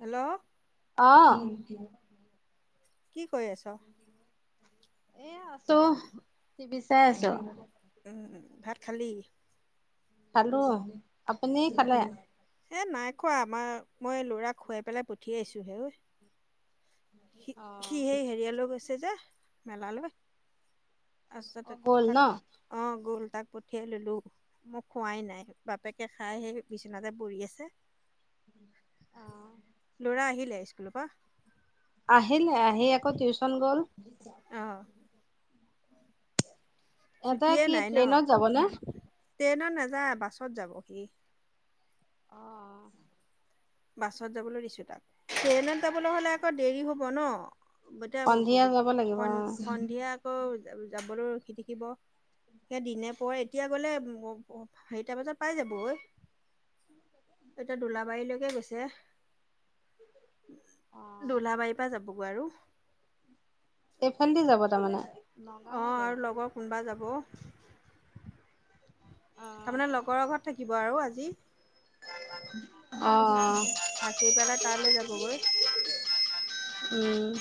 Hello. অ'। কি কৰি আছোঁ? এ, আছোঁ, টিভি চাই আছোঁ। উম, উম, ভাত খালি? খালোঁ, আপুনি খালে? এ, নাই খোৱা আমাৰ মই ল'ৰাক খোৱাই পেলাই পঠিয়াইছোঁ হে ঐ। সি অ', সেই হেৰিয়ালৈ গৈছে যে মেলালৈ। আছে তাত অ', গ'ল ন? থাক অ' গ'ল তাক পঠিয়াই ল'লোঁ। মই খোৱাই নাই বাপেকে খাই সেই বিচনাতে পৰি আছে। অ', ল'ৰা আহিলে স্কুলৰ পৰা? আহিলে আহি আকৌ টিউচন গ'ল। অ'। ইহঁতে ছুটিয়ে কি নাই ন', ট্ৰেইনত যাবনে? ট্ৰেইনত নাযায় বাছত যাব সি। অ'। বাছত যাবলৈ দিছোঁ তাক, ট্ৰেইনত যাবলৈ হ'লে আকৌ দেৰি হ'ব ন'। সন্ধিয়া যাব [unintelligible] লাগিব সন অ', সন্ধিয়া আকৌ যাবলৈ ৰখি থাকিব। সেই দিনে পোহৰে এতিয়া গ'লে [unintelligible] চাৰিটা বজাত পাই যাব ঐ। এতিয়া দোলাবাৰীলৈকে গৈছ [unintelligible] অ'। দোলাবাৰীৰ পৰা যাবগৈ আৰু। এইফালেদি যাব তাৰমানে। নগাঁও অ' হৈ যাব। আৰু লগৰ কোনোবা যাব। অ', তাৰমানে লগৰৰ ঘৰত থাকিব আৰু আজি। অ'। থাকি পেলাই তালৈ যাবগৈ। উম।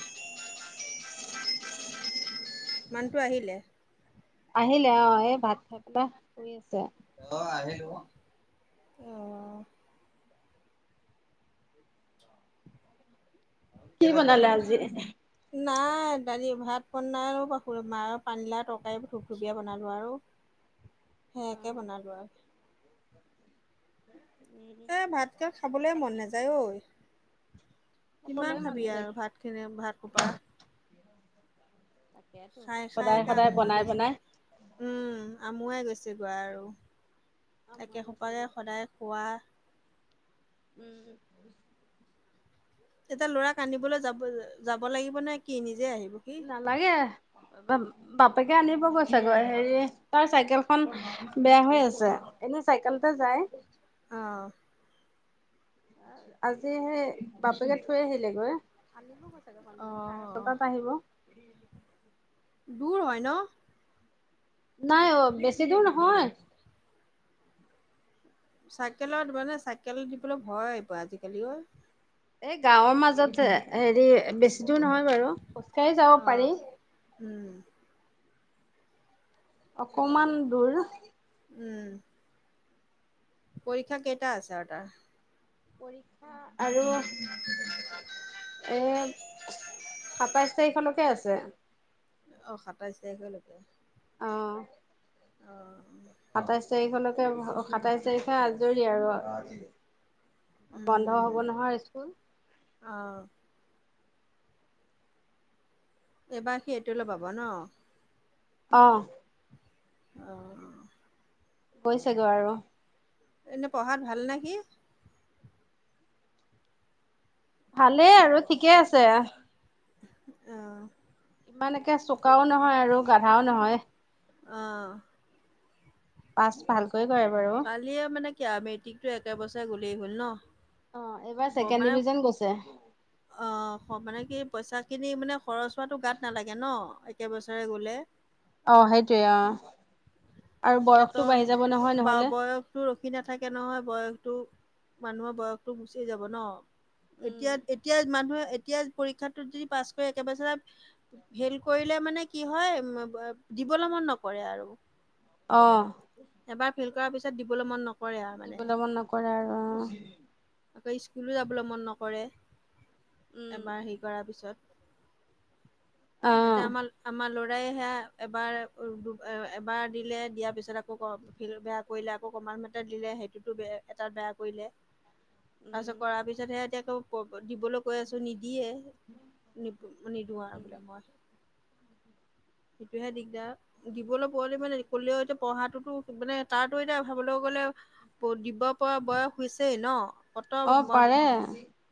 মানুহটো আহিলে। আহিলে অ' এই ভাত তাত খাই শুই আছে। অ'। কি বনালে আজি? নাই দালি ভাত বনাই [unintelligible] পানীলাও তৰকাৰী থূপ থূপীয়া বনালোঁ আৰু। অ', সেয়াকে বনালোঁ আৰ। উম। এ, ভাতকৈ খাবলৈ মন নাযায় ঐ। খাবলে কিমান মন খাবি নাযায়। আৰু ভাত খিনি ভাত সোপা। তাকেতো। খাই খাই সদায় একে সদায় আমুৱা বনাই গৈছে। বনাই। উম, আমুৱাই গৈছেগৈ আৰু, আমুৱাই একে সোপাকে গৈছেগৈ। সদায় খোৱা। উম। ইতা ল'ৰাক আনিবলৈ যাব যাব লাগিব নে কি নিজে আহিব সি। লাগে, বা বাপেকে আনিব গৈছে গৈ হেৰি তাৰ চাইকেলখন বেয়া হৈ আছে, এনে চাইকেলতে যায়। অ'। আজি সেই বাপেকে থৈ আহিলেগৈ। আনিব কৈছাগে? অ সন্ধিয়া চাৰে ছটাত আহিব। [inaudible] দূৰ হয় ন'? নাই অ' বেছি দূৰ নহয়। চাইকেলত মানে চাইকেলত দিবলৈ ভয় আহিব আজিকালি অ'। এই গাঁৱৰ মাজত হেৰি বেছি দূৰ নহয় বাৰু খোজ কাঢ়ি যাব অ পাৰি। উম। অকমান দূৰ। উম। পৰীক্ষা কেইটা আছে আৰু তাৰ? পৰীক্ষা আৰু এ সাতাইশ তাৰিখলৈকে আছে। অ' সাতাইছ তাৰিখলৈকে। অ'। অ'। সাতাইশ তাৰিখলৈক, সাতাইশ তাৰিখে আজৰি আৰু। বন্ধ হ'ব উম নহয় স্কুল। অ'। এইবাৰ সি এইটলৈ পাব ন'। অ'। অহ। গৈছেগৈ আৰু [unintelligible] এনে পঢ়াত ভাল নে সি? ভালেই আৰু ঠিকে আছে। অ'। ইমান একে চোকাও নহয় আৰু গাধাও নহয়। অহ। পাছ ভালকৈ কৰে বাৰু। কালিয়ে মানে ক মেট্ৰিকতো একেবছৰে গ'লেই হ'ল ন'। অ' এইবাৰ ছেকেণ্ড মানে ডিভিজন গৈছে। অ' মানে কি পইচা খিনি মানে খৰচ হোৱাটো গাত নালাগে ন'। একেবছৰে গ'লে। অ' সেইটোৱে অ', আৰু বয়সটো বাঢ়ি যাব নহয় নহ'লে। তো ৰখি নাথাকে নহয় বয়সতটো মানুহৰ বয়সতো গুচি যাব ন'। উম এতিয়া এতিয়া মানুহে এতিয়া পৰীক্ষাত দি পাছ কৰে একেবছৰে ফেল কৰিলে মানে কি হয় দিবলৈ মন নকৰে আৰু অ'। এবাৰ ফেইল কৰাৰ পিছত দিবলৈ মন নকৰে। আৰু মানে দিবলৈ মন নকৰে আৰু অ'। আকৌ স্কুলো যাবলৈ মন নকৰে উম এবাৰ হেৰি কৰাৰ পিছত। অ এতিয়া আমাৰ আমাৰ লৰাই সেয়া এবাৰ এবাৰ দিলে দিয়াৰ পিছত আকৌ ফিল বেয়া কৰিলে আকৌ কমালমেটত দিলেই [unintelligible] বেয়া এটাত বেয়া কৰিলে। তাৰপিছত উম কৰাৰ পিছতহে এতিয়া আকৌ দিবলৈ কৈ আছোঁ নিদিয়ে নি নিদিওঁ আৰু উম বোলে মই সেইটোহে দিগদাৰ। দিবলৈ পোৱালি মানে কলেও এতিয়া পঢ়াতটোতো মানে তাতো এতিয়া ভাবলৈ গ'লে ভোট দিব পৰা বয়স হৈছেই ন' অ কত পাৰে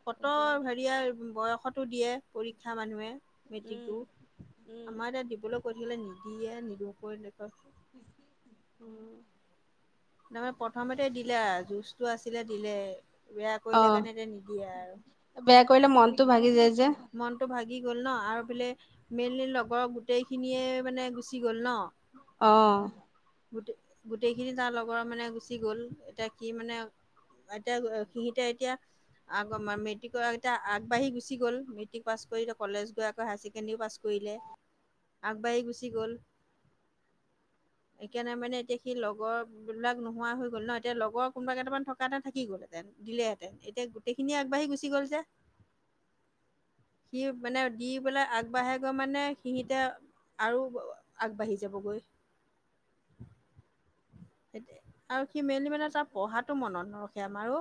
ফট এতিয়া হেৰি দিয়াৰ বয়সটো দিয়ে পৰীক্ষা মানুহে উম মেট্ৰিকতো, উম আমাৰ এতিয়া [unintelligible] কৈই দিলে ৱিদিয়্কে নিদিয়ে নিদওঁ কৰিখুৱ উম। তাৰমানে প্ৰথমেতে দিলে জুচটো আছিলে দিলে বেয়া অ কৰিলে কাৰণে এয়া নিদিয়ে আৰু। বেয়া কৰিলে মনতটো ভাগি যায় যে। মনটো ভাগি গ'ল ন আৰু বোলে মেইনলি লগৰ গোটেইখিনিয়ে মানে গুচি গ'ল ন। অ'। গোট গোটেইখিনি তাৰ লগৰ মানে গুচি গ'ল। এতিয়া কি মানে এতিয়া সিহঁতে এতিয়া আগ মেট্ৰিকৰ এতিয়া আগবাঢ়ি গুচি গ'ল। মেট্ৰিক পাছ কৰিলে কলেজ গৈ আকৌ হায়াৰ ছেকেণ্ডেৰী পাছ কৰিলে। আগবাঢ়ি গুচি গ'ল। সেইকাৰণে মানে এতিয়া সি লগৰবিলাক নোহোৱা হৈ গ'ল ন এতিয়া লগৰ কোনোবা কেইটামান থকা থকা হ'লে থাকি গ'ল হৈ। তে দিলেহেঁতেন এতিয়া গোটেইখিনি আগবাঢ়ি গুছি গ'ল যে। সি মানে দি পেলাই আগবাঢ়াই গৈ মানে সিহিঁতে আৰু আগবাঢ়ি যাবগৈ। সেই আৰু সি মেইলি মানে তাৰ পঢ়াতটো মনত নৰখে আমাৰো।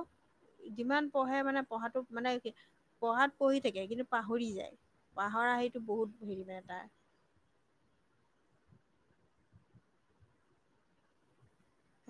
যিমান পঢ়ে মানে পঢ়াটো মানে পঢ়াত পঢ়ি থাকে কিন্তু পাহৰি যায় পাহৰা সেইটো বহুত হেৰি মানে তাৰ।